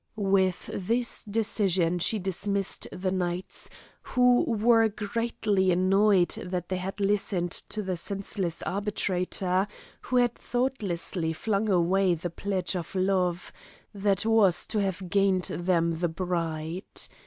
With this decision she dismissed the knights, who were greatly annoyed that they had listened to the senseless arbitrator, and had thoughtlessly flung away the pledge of love, that was to have gained them the bride.